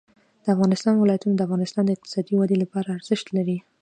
د افغانستان ولايتونه د افغانستان د اقتصادي ودې لپاره ارزښت لري.